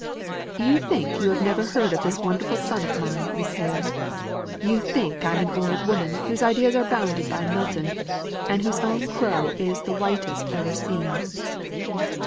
"You think you never heard of this wonderful son of mine, Miss Hale. You think I'm an old woman whose ideas are hounded by Milton, and whose own crow is the whitest ever seen."